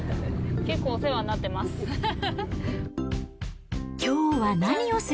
結構お世話になってます。